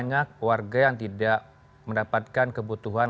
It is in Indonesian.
banyak warga yang tidak mendapatkan kebutuhan